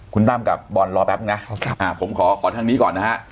คุณตั้มกับบอลรอแป๊บนึงนะผมขอทางนี้ก่อนนะฮะ